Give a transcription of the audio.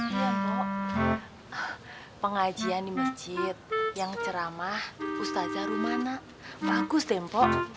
iya pok pengajian di masjid yang ceramah ustazah rumana bagus deh pok